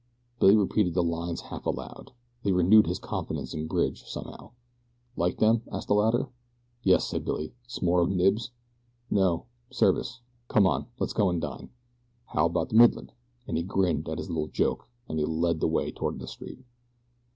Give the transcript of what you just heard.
Billy repeated the lines half aloud. They renewed his confidence in Bridge, somehow. "Like them?" asked the latter. "Yes," said Billy; "s'more of Knibbs?" "No, Service. Come on, let's go and dine. How about the Midland?" and he grinned at his little joke as he led the way toward the street.